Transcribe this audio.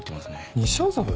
西麻布？